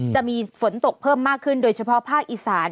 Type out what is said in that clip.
จะมีฝนตกเพิ่มมากขึ้นโดยเฉพาะภาคอีสาน